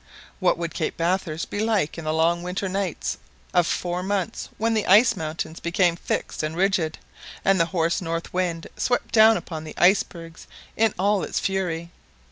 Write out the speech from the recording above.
What would Cape Bathurst be like in the long winter night of four months when the ice mountains became fixed and rigid, and the hoarse north wind swept down upon the icebergs in all its fury?